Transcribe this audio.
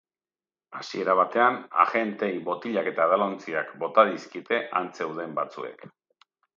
Hasiera batean, agenteei botilak eta edalontziak bota dizkiete han zeuden batzuek.